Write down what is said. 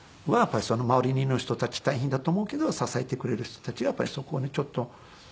やっぱり周りの人たち大変だと思うけど支えてくれる人たちがそこら辺ちょっと。